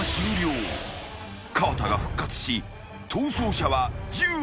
［河田が復活し逃走者は１０人］